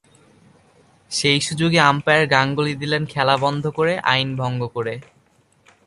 সেই সুযোগে আম্পায়ার গাঙ্গুলী দিলেন খেলা বন্ধ করে, আইন ভঙ্গ করে।